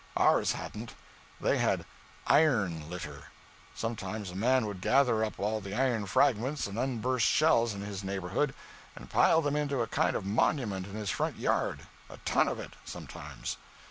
Ours hadn't; they had _iron _litter. Sometimes a man would gather up all the iron fragments and unbursted shells in his neighborhood, and pile them into a kind of monument in his front yard a ton of it, sometimes.